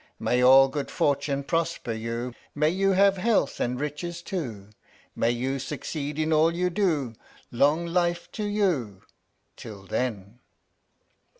" May all good fortune prosper you, May you have health and riches too, May you succeed in all you do Long life to you till then